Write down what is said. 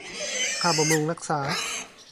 ค่าบำรุงรักษา